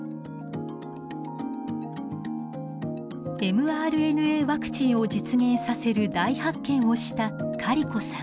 ｍＲＮＡワクチンを実現させる大発見をしたカリコさん。